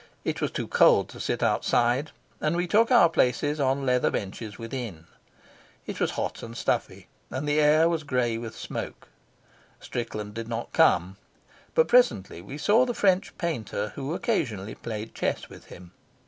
It was too cold to sit outside, and we took our places on leather benches within. It was hot and stuffy, and the air was gray with smoke. Strickland did not come, but presently we saw the French painter who occasionally played chess with him.